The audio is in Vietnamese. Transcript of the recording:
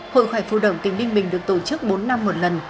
hội khỏe phụ động tỉnh ninh bình được tổ chức bốn năm một lần